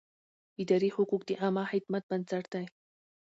اداري حقوق د عامه خدمت بنسټ دی.